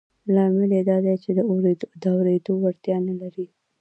لامل یې دا دی چې د اورېدو وړتیا نه لري